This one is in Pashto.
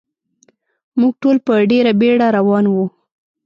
موږ ټول په ډېره بېړه روان و.